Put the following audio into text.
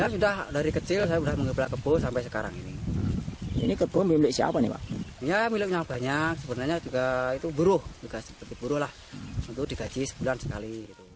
sebenarnya juga itu buruh juga seperti buruh lah itu digaji sebulan sekali